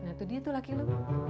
nah itu dia tuh laki lu